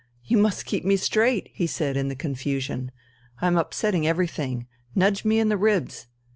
"You must keep me straight!" he said in the confusion. "I'm upsetting everything! Nudge me in the ribs!"